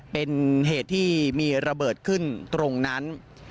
เป็นเหตุที่มีระเบิดขึ้นตรงนั้น